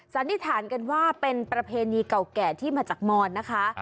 สันนิษฐานกันว่าเป็นประเพณีเก่าแก่ที่มาจากมอนนะคะ